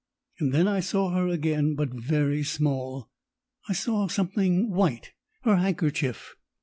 Then I saw her again, but very small. I saw something white her handkerchief.